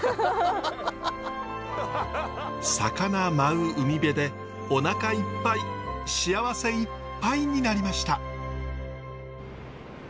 魚舞う海辺でおなかいっぱい幸せいっぱいになりました。